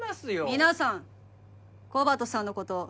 皆さんコバトさんのこと